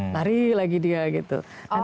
lari lagi dia gitu